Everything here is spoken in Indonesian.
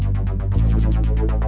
gak adanya kendaraan dimana mana